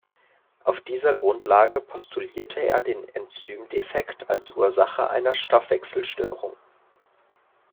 Auf dieser Grundlage postulierte er den Enzymdefekt als Ursache einer Stoffwechselstörung.